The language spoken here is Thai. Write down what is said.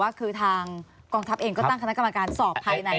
ว่าคือทางกองทัพเองก็ตั้งคณะกรรมการสอบภายใน